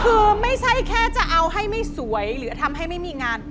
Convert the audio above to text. คือไม่ใช่แค่จะเอาให้ไม่สวยหรือทำให้ไม่มีงาน